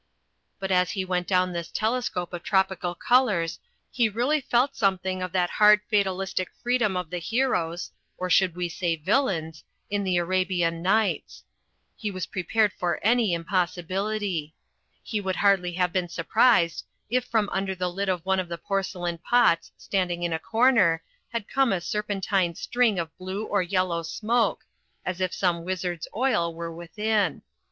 But as he went down this telescope of tropical col ours he really felt something of that hard fatalistic freedom of the heroes (or should we say villains?) in the Arabian Nights. He was pr^egf^ed^ for any VEGETARIANISM IN THE FOREST 145 impossibility. He would hardly have been surprised if from under the lid of one of the porcelain pots standing in a comer had come a serpentine string of , blue or yellow smoke, as if some wizard's oil were within.